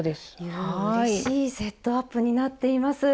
うれしいセットアップになっています。